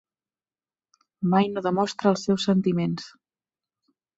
Mai no demostra els seus sentiments.